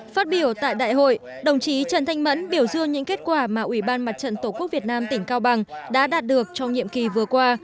phát biểu tại đại hội đồng chí trần thanh mẫn biểu dương những kết quả mà ủy ban mặt trận tổ quốc việt nam tỉnh cao bằng đã đạt được trong nhiệm kỳ vừa qua